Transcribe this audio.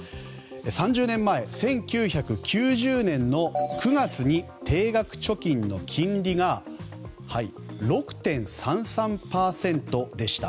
３０年前、１９９０年の９月に定額貯金の金利が６．３３％でした。